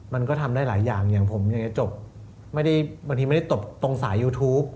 มันก็ทำได้หลายอย่างอย่างผมอยากจะจบไม่ได้บางทีไม่ได้ตบตรงสายยูทูป